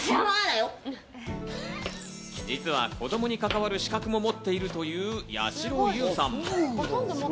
実は子供に関わる資格も持っているという、やしろ優さん。